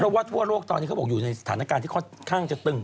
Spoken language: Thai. เพราะว่าทั่วโลกตอนนี้เขาบอกอยู่ในสถานการณ์ที่ค่อนข้างจะตึง